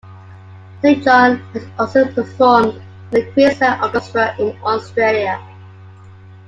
Saint John has also performed with the Queensland Orchestra in Australia.